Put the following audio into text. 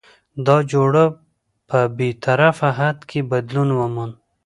دا جوړه په بې طرفه حد کې بدلون وموند؛